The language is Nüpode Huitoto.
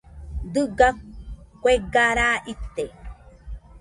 Dɨga kuega raa ite.